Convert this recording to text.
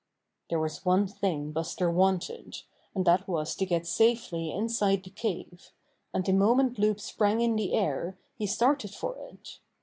There was one thing Buster wanted, and that was to get safely inside the cave, and the moment Loup sprang in the air he started for it.